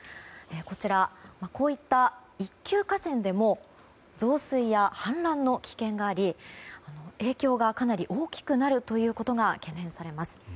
こちら、こういった一級河川でも増水や氾濫の危険があり影響がかなり大きくなるということが懸念されます。